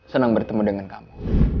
senang bertemu dengan kamu